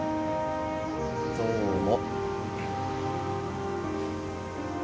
どうも。